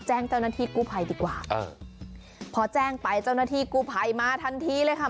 แจ้งเจ้าหน้าที่กู้ภัยดีกว่าเออพอแจ้งไปเจ้าหน้าที่กู้ภัยมาทันทีเลยค่ะ